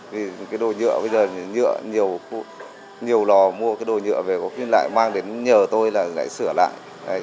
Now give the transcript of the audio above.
vì cái đồ nhựa bây giờ nhựa nhiều lò mua cái đồ nhựa về có khi lại mang đến nhờ tôi là lại sửa lại